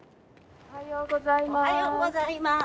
おはようございます。